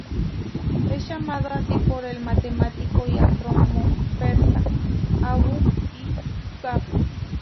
Es llamado así por el matemático y astrónomo persa Abu'l-Wafa.